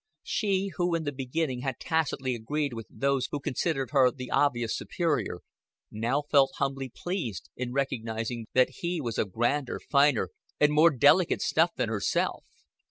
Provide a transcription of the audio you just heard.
She who in the beginning had tacitly agreed with those who considered her the obvious superior now felt humbly pleased in recognizing that he was of grander, finer, and more delicate stuff than herself.